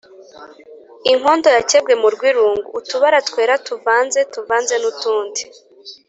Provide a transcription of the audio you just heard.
ingondo yakebwe mu rwirungu: utubara twera tuvanze tuvanze n’utundi